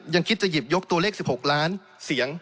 ยังคิดจะหยิบยกตัวเลข๑๖ล้านเสียง